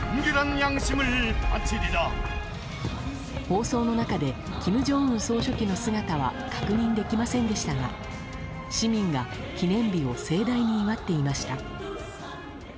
放送の中で金正恩総書記の姿は確認できませんでしたが市民が記念日を盛大に祝っていました。